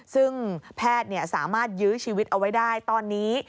ซึ่งแพทย์สามารถยื้อชีวิตเอาไว้ได้ตอนนี้